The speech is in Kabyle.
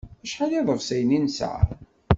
Acḥal n iḍefsiyen i nesɛa?